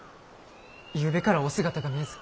ゆうべからお姿が見えず。